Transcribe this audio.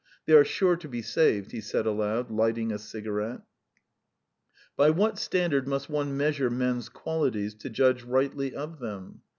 "They are sure to be saved," he said aloud, lighting a cigarette. By what standard must one measure men's qualities, to judge rightly of them?